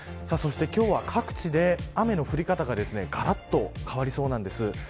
各地で雨の降り方ががらっと変わりそうです。